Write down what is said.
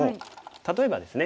例えばですね